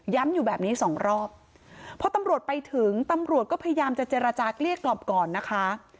อยู่แบบนี้สองรอบพอตำรวจไปถึงตำรวจก็พยายามจะเจรจาเกลี้ยกล่อมก่อนนะคะ